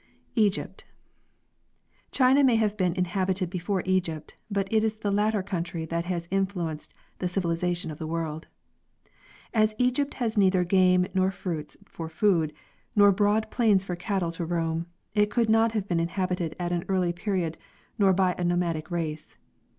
Egypt. China may have been inhabited before Egypt, but it is the latter country that has influenced the civilization of the world. As Egypt has neither game nor fruits for food, nor broad plains for cattle to roam, it could not have been inhabited at an early period nor by a nomadic race.